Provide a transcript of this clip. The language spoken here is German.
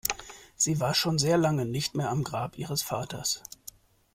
Sie war schon sehr lange nicht mehr am Grab ihres Vaters.